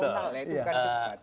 itu bukan debat